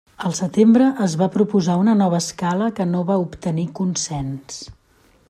Al setembre es va proposar una nova escala que no va obtenir consens.